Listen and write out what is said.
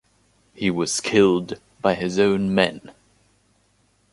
He was killed by his own men.